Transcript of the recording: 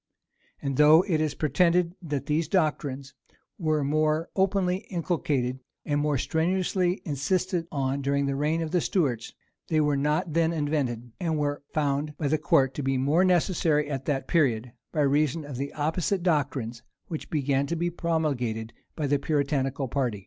And though it is pretended that these doctrines were more openly inculcated and more strenuously insisted on during the reign of the Stuarts, they were not then invented; and were only found by the court to be more necessary at that period, by reason of the opposite doctrines, which began to be promulgated by the Puritanical party.